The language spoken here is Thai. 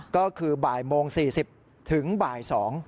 ก็คือบ่ายโมง๔๐ถึงบ่าย๒